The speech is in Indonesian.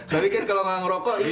tapi kan kalau nggak ngerokok